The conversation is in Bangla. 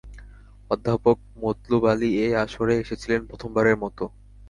অধ্যাপক মতলুব আলী এ আসরে এসেছিলেন প্রথমবারের মতো।